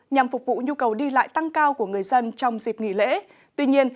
nhằm phục vụ nhu cầu đi lại tăng cao của người dân trong dịp nghỉ lễ